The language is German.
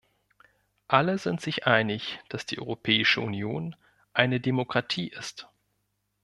Alle sind sich einig, dass die Europäische Union eine Demokratie ist.